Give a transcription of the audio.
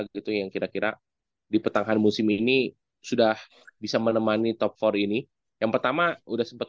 gitu yang kira kira di petangkan musim ini sudah bisa menemani top empat ini yang pertama udah sempat